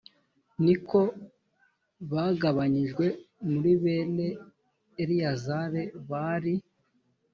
ni ko bagabanijwe muri bene eleyazari bari